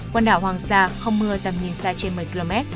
quần đảo hoàng sa không mưa tầm nhìn xa trên một mươi km